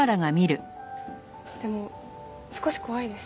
でも少し怖いです。